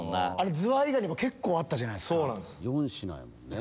ズワイガニも結構あったじゃないですか。